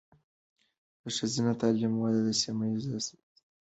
د ښځینه تعلیم وده د سیمه ایز ثبات لامل ده.